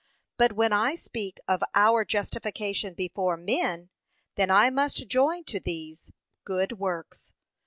But when I speak of our justification before men then I must join to these good works.